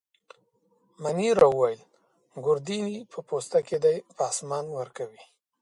مانیرا وویل: ګوردیني په پوسته کي دی، پاسمان ورکوي.